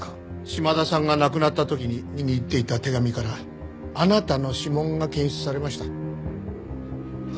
島田さんが亡くなった時に握っていた手紙からあなたの指紋が検出されました。